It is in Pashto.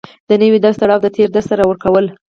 د نوي درس تړاو د تېر درس سره ورکول